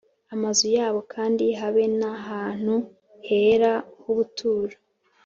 Amazu yabo kandi habe n ahantu hera h ubuturo